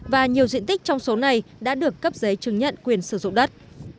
và nhiều diện tích trong số này đã được cấp giấy chứng nhận quyền sử dụng đất